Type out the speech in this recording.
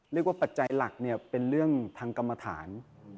ปัจจัยหลักเนี่ยเป็นเรื่องทางกรรมฐาน